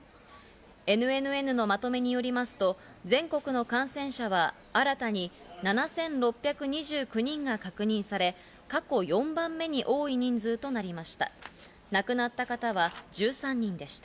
ＮＮＮのまとめによりますと、全国の感染者は新たに７６２９人が確認され、過去４番目に多い人数となりました。